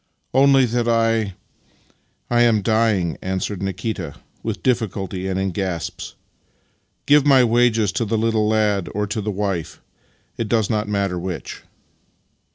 "" Only that I — I am dying," answered Nikita with difiiculty and in gasps. " Give my wages to the little lad or to the wife — it does not matter which."